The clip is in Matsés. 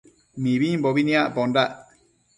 Mibimbobi nicpondac